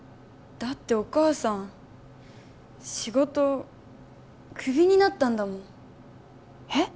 だってお母さん仕事クビになったんだもんえっ？